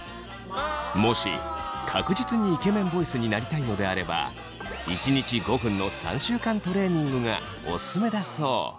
もし確実にイケメンボイスになりたいのであれば１日５分の３週間トレーニングがオススメだそう。